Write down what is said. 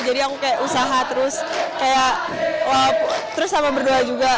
jadi aku kayak usaha terus terus sama berdoa juga